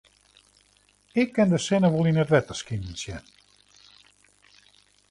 Ik kin de sinne wol yn it wetter skinen sjen.